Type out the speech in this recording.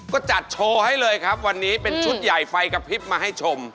ก็จัดโชว์ให้เลยครับวันนี้เป็นชุดใหญ่ไฟกระพริบมาให้ชม